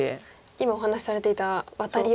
今お話しされていたワタリを。